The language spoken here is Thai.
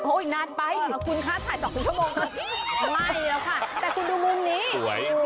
โอ้ยนานไปคุณคะถ่าย๒๐ชั่วโมงไม่แล้วค่ะแต่คุณดูมุมนี้สวย